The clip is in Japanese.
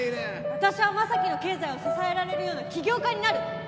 私は雅樹の経済を支えられるような起業家になる！